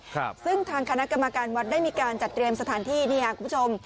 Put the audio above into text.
ครับซึ่งทางคณะกรรมการวัดได้มีการจัดเตรียมสถานที่นี่ค่ะคุณผู้ชม